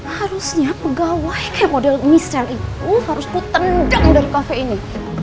harusnya pegawai kayak model michelle itu harus kutendang dari kafe ini